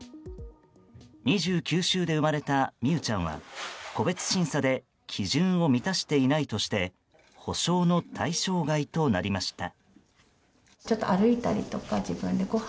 ２９週で生まれた美羽ちゃんは個別審査で基準を満たしていないとして補償の対象外となりました。